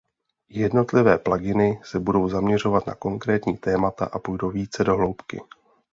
Jednotlivé pluginy se budou zaměřovat na konkrétní témata a půjdou více do hloubky.